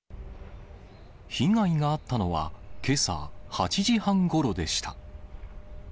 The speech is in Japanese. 被害があったのは、けさ８時半ごろでした。